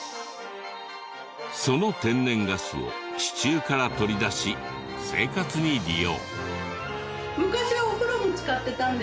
その天然ガスを地中から取り出し生活に利用。